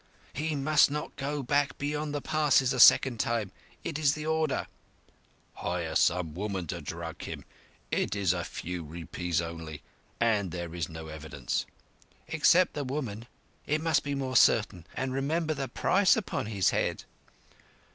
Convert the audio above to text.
"He must not go back beyond the Passes a second time. It is the order." "Hire some woman to drug him. It is a few rupees only, and there is no evidence." "Except the woman. It must be more certain; and remember the price upon his head."